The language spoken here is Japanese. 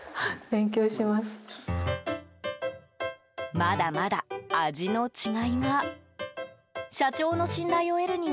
まだまだ味の違いは。